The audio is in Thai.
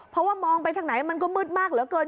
เพราะว่ามองไปทางไหนมันก็มืดมากเหลือเกิน